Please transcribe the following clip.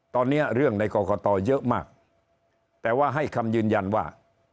ตอนนี้เรื่องในกรกตเยอะมากแต่ว่าให้คำยืนยันว่า